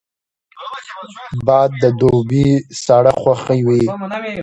باد د دوبي ساړه خوښوي